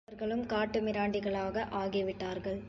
இவர்களும் காட்டு மிராண்டிகளாக ஆகிவிட்டார்கள்.